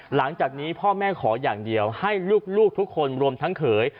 หลังจากนี้พ่อแม่ขออย่างเดียวให้ลูกทุกคนรวมทั้งเขย